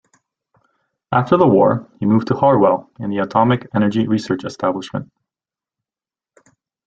After the war he moved to Harwell and the Atomic Energy Research Establishment.